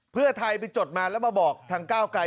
เพื่อไทยไปจดมาแล้วมาบอกทางก้าวไกล